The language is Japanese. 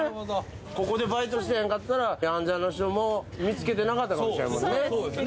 ここでバイトしてへんかったら、ヤンジャンの人も見つけてなかったかもしれんしね。